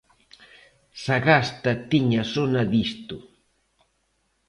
Sagasta tiña sona disto.